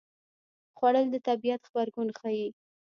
خوړل د طبیعت غبرګون ښيي